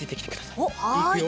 いくよ。